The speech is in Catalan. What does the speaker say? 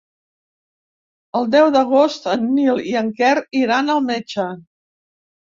El deu d'agost en Nil i en Quer iran al metge.